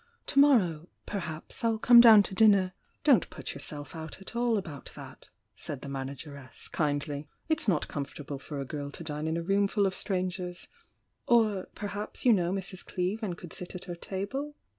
To morrow, perhaps, I'll come down to dinner " "Don't put yourself out at all about that," said the manageress, kindly. "It's not comfortable for a girl to dine in a room full of strangers— or per haps you know Mrs. Cleeve and could sit at her table